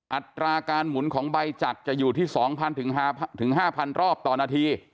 อัตราการหมุนของใบจักรจะอยู่ที่๒๐๐๕๐๐รอบต่อนาที